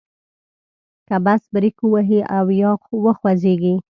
که بس بریک ووهي او یا وخوځیږي.